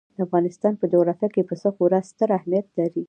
د افغانستان په جغرافیه کې پسه خورا ستر اهمیت لري.